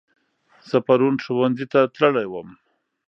زه پرون ښوونځي ته تللی وم